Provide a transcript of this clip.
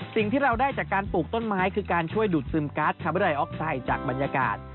สิ่งที่เราได้จากการปลูกต้นไม้คือการช่วยดูดซึมกัสจากบรรยากาศ